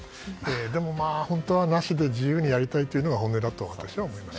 でも本当はなしで自由にやりたいというのが本音だと私は思います。